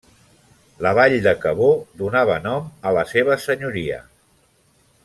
La vall de Cabó donava nom a la seva senyoria.